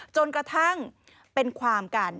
จนกระทั่งเป็นความกัน